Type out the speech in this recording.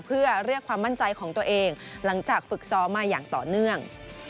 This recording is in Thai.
เพื่อเรียกความมั่นใจของตัวเองหลังจากฝึกซ้อมมาอย่างต่อเนื่อง